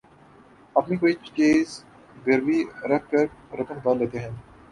اپنی کوئی چیز گروی رکھ کر رقم ادھار لیتے ہیں